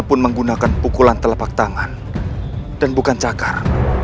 ia pun menggunakan pukulan telepak tangan dan bukan cakar